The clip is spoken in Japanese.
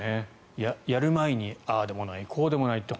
やる前にああでもない、こうでもないって